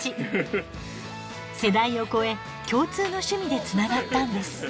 世代を超え共通の趣味でつながったんです。